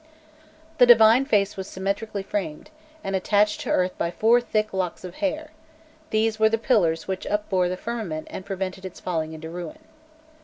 The divine face was symmetrically framed, and attached to earth by four thick locks of hair; these were the pillars which upbore the firmament and prevented its falling into ruin.